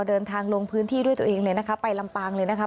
เดินทางลงพื้นที่ด้วยตัวเองเลยนะคะไปลำปางเลยนะคะ